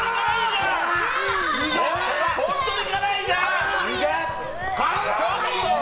本当に辛いじゃん。